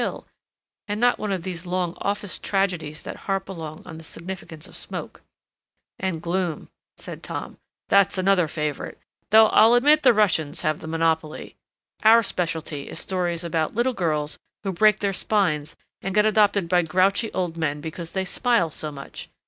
Hill and not one of these long office tragedies that harp along on the significance of smoke—" "And gloom," said Tom. "That's another favorite, though I'll admit the Russians have the monopoly. Our specialty is stories about little girls who break their spines and get adopted by grouchy old men because they smile so much.